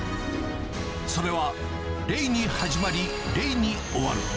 それは礼に始まり礼に終わる。